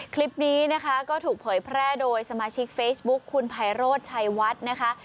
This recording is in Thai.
คลิปนี้นะคะก็ถูกเผยแพร่โดยสมาชิกเฟซบุ๊คคุณไพโรธชัยวัดนะคะ